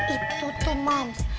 itu tuh mams